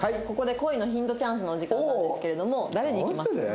ここで恋のヒントチャンスのお時間なんですけれども誰にいきます？